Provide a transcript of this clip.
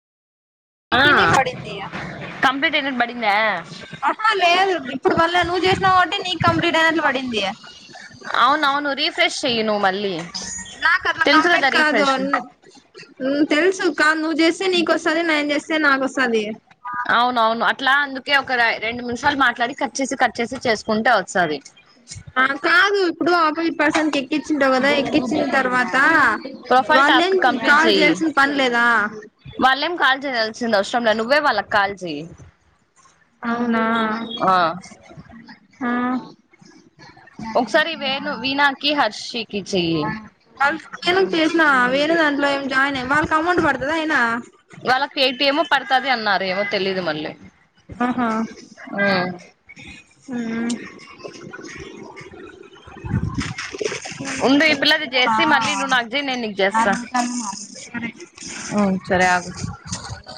ఆ నీటినే పడిందిగా కంప్లీట్ అయినట్టు పడిందా అహా లేదు ఇప్పుడు బల్లే నువ్వు చేసినావు కాబట్టి నీకు కంప్లీట్ అయినట్లు పడింది. ఫ్రెషెయ్యి నువ్వు మళ్ నాకు అట్లా కంప్లీట్ కాదు రీఫ్రెష్ ఉ తెల్సు కాదు నువ్వు చేస్తే నీకు వస్తది నేను చేస్ నాకుస్తది అవునవును అట్లా అందుకే ఒక రె రెండు నిమిషాలు మాట్లాడి కట్చేసి కట్చేసి చేసుకుంటే వస్తాది. ఆ కాదు ఇప్పుడు ఆపోజిట్ పర్సన్కి ఎక్కిచ్చిన త ఎక్కించిన్ తర్వాత ప్రొఫైల్ వాళ్ళేం టాస్క్ కంప్లీట్ కాల్ చెయ్యి చేయాల్సిన పనిలేదా వాళ్ళేం కాల్ చేయాల్సింది అవసరంలే నువ్వే వాళ్ళకి కాల్ చేయి అవునా ఆ ఒకసారి వేణు వాల్ వీణాకి హర్షికి చెయ్యి నేన్ గానీ చేసిన వేరే దాంట్లో ఏమ్ ఆయన ఇవ్వాల్ వాళ్ళకి ఎయిటీ ఏమో పడతాది అన్నారు ఏవర్ తెలీదు మళ్ళీ ఆహా ఉమ్. ఉండు ఈ పిల్లది చేసి మళ్ళీ నువ్వు నాకు చెయ్ మ్మ్ ఆ [inaudible] హ్మ్ సరే ఆగు